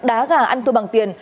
đá gà ăn thôi bằng tiền